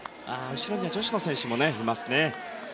後ろには女子の選手もいますね。